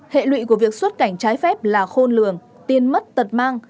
hệ lụy của việc xuất cảnh trái phép là khôn lường tiền mất tật mang